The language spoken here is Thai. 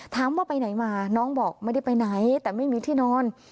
ถามว่าไปไหนมาน้องบอกไม่ได้ไปไหนแต่ไม่มีที่นอน